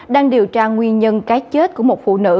đang điều tra nguyên nhân cái chết của một phụ nữ